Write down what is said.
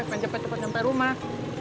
pengen cepet cepet nyampe rumah